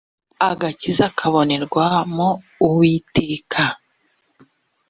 agakiza kabonerwa mu uwiteka